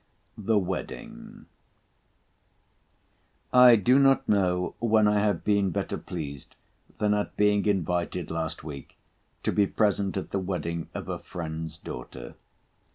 ] THE WEDDING I do not know when I have been better pleased than at being invited last week to be present at the wedding of a friend's daughter.